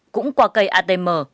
cũng qua cây atm